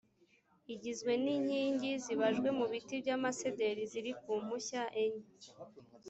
igizwe n’inkingi zibajwe mu biti by’amasederi ziri ku mpushya enye